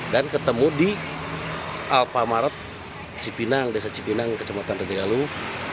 dan ketemu di alpamaret cipinang desa cipinang kecamatan raja galuh